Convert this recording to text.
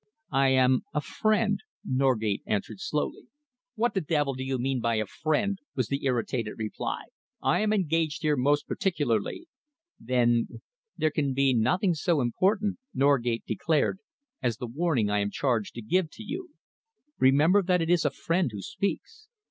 "I am a friend," Norgate answered slowly. "What the devil do you mean by 'a friend'?" was the irritated reply. "I am engaged here most particularly." "There can be nothing so important," Norgate declared, "as the warning I am charged to give to you. Remember that it is a friend who speaks.